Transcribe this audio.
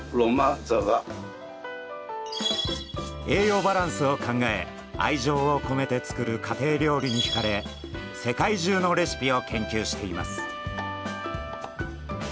栄養バランスを考え愛情を込めて作る家庭料理に引かれ世界中のレシピを研究しています。